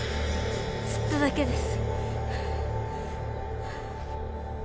つっただけです